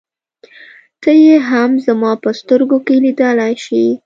ته يې هم زما په سترګو کې لیدلای شې.